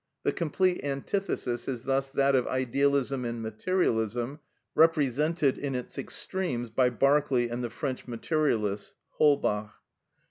The complete antithesis is thus that of idealism and materialism, represented in its extremes by Berkeley and the French materialists (Hollbach).